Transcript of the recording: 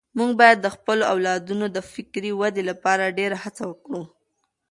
موږ باید د خپلو اولادونو د فکري ودې لپاره ډېره هڅه وکړو.